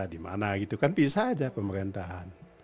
di mana gitu kan bisa aja pemerintahan